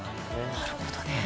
なるほどね。